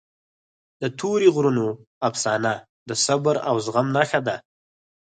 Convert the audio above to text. د تورې غرونو افسانه د صبر او زغم نښه ده.